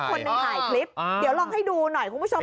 คนหนึ่งถ่ายคลิปเดี๋ยวลองให้ดูหน่อยคุณผู้ชม